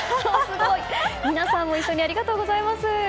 皆さんも一緒にありがとうございます。